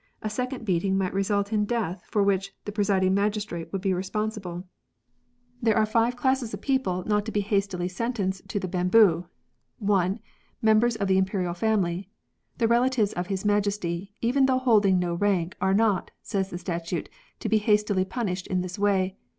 A second beating might result in death for which the presiding magistrate would be responsible.] TORTURE. 139 *' There are five classes of people not to be hastily sentenced to the bamboo. (1.) Members of the Imperial family. [The relatives of his Majesty, even though holding no rank, are not, say^ the statute, to be hastily punished in this way.